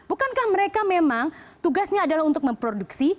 bukankah mereka memang tugasnya adalah untuk memproduksi